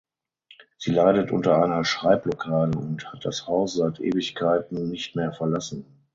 Sie leidet unter einer Schreibblockade und hat das Haus seit Ewigkeiten nicht mehr verlassen.